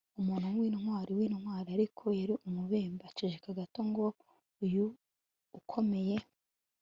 umuntu w'intwari w'intwari, ariko yari umubembe. 'aceceka gato ngo uyu ukomeye